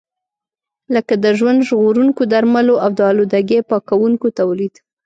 لکه د ژوند ژغورونکو درملو او د آلودګۍ پاکونکو تولید.